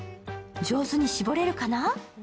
上手に搾れるかな？